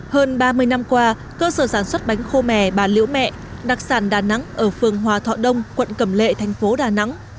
hơn ba mươi năm qua cơ sở sản xuất bánh khô mè bà liễu mẹ đặc sản đà nẵng ở phường hòa thọ đông quận cẩm lệ thành phố đà nẵng